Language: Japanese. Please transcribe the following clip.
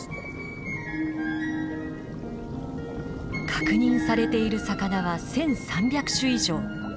確認されている魚は１，３００種以上。